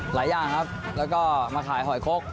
หลายอย่างครับแล้วก็มาขายหอยคก